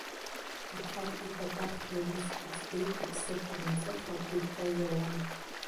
Дҭаркит абахҭа, иус рыӡбеит, иԥсы ҭанаҵы хақәиҭра иоуам.